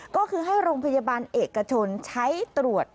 ก็คือให้โรงพยาบาลเอกชนใช้ตรวจ